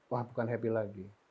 wah bukan happy lagi